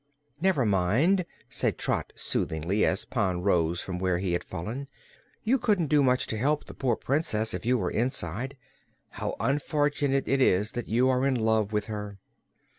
"Never mind," said Trot soothingly, as Pon rose from where he had fallen. "You couldn't do much to help the poor Princess if you were inside. How unfortunate it is that you are in love with her!"